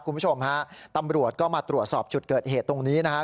คุณผู้ชมฮะตำรวจก็มาตรวจสอบจุดเกิดเหตุตรงนี้นะฮะ